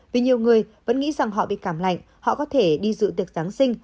vì nhiều người vẫn nghĩ rằng họ bị cảm lạnh họ có thể đi dự tiệc giáng sinh